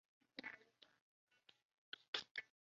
殿试登进士第二甲第一百零九名。